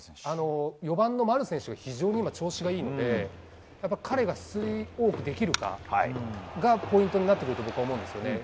４番の丸選手が非常に調子がいいので彼が出塁多くできるかどうかがポイントになってくると僕は思うんですね。